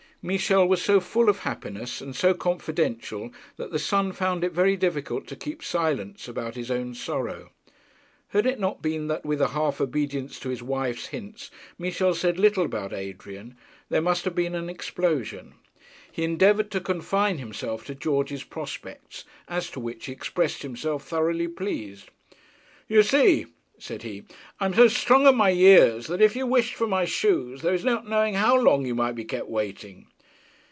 Michel was so full of happiness and so confidential that the son found it very difficult to keep silence about his own sorrow. Had it not been that with a half obedience to his wife's hints Michel said little about Adrian, there must have been an explosion. He endeavoured to confine himself to George's prospects, as to which he expressed himself thoroughly pleased. 'You see,' said he, 'I am so strong of my years, that if you wished for my shoes, there is no knowing how long you might be kept waiting.'